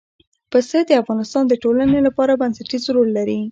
پسه د افغانستان د ټولنې لپاره بنسټيز رول لري.